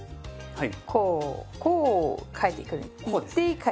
はい。